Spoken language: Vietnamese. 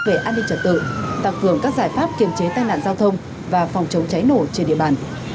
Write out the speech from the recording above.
về an ninh trật tự tăng cường các giải pháp kiềm chế tai nạn giao thông và phòng chống cháy nổ trên địa bàn